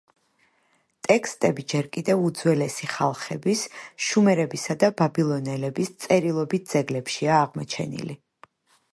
ტექსტები ჯერ კიდევ უძველესი ხალხების, შუმერებისა და ბაბილონელების, წერილობით ძეგლებშია აღმოჩენილი.